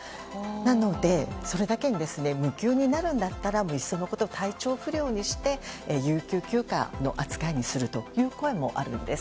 なので、それだけに無給になるのであったらいっそのこと体調不良にして有給休暇の扱いにするという声もあるんです。